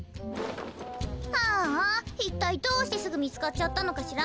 ああいったいどうしてすぐみつかっちゃったのかしら。